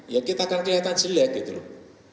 ya kita akan kelihatan jelek gitu loh